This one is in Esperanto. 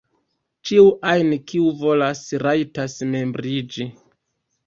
Ĉiu ajn kiu volas, rajtas membriĝi.